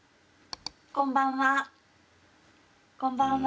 こんばんは。